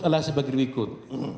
alah sebagai berikut